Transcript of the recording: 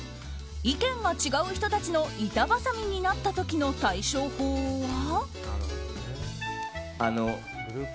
意見が違う人たちの板挟みになった時の対処法は？